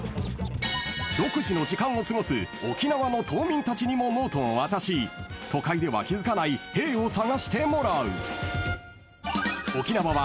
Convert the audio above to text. ［独自の時間を過ごす沖縄の島民たちにもノートを渡し都会では気付かないへぇーを探してもらう］